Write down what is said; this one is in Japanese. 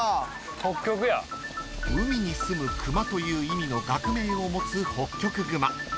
［「海に住むクマ」という意味の学名を持つホッキョクグマ］